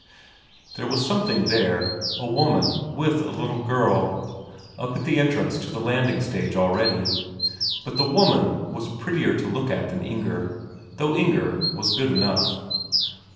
There was something there a woman with a little girl, up at the entrance to the landing stage already; but the woman was prettier to look at than Inger though Inger was good enough.